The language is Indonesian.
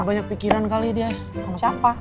banyak pikiran kali dia kamu siapa